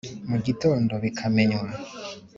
mu gitondo bikamenywa